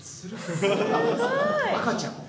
赤ちゃん。